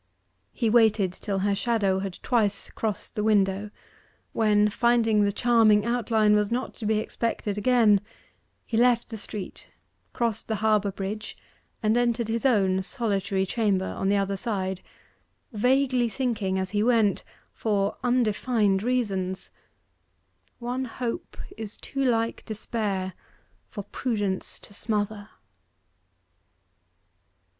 He waited till her shadow had twice crossed the window, when, finding the charming outline was not to be expected again, he left the street, crossed the harbour bridge, and entered his own solitary chamber on the other side, vaguely thinking as he went (for undefined reasons), 'One hope is too like despair For prudence to smother.